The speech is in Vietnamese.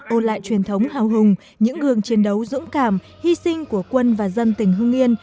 ôn lại truyền thống hào hùng những gương chiến đấu dũng cảm hy sinh của quân và dân tỉnh hương yên